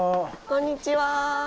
こんにちは。